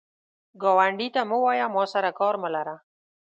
ګاونډي ته مه وایه “ما سره کار مه لره”